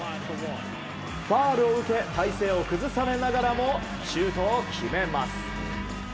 ファウルを受け体勢を崩されながらもシュートを決めます。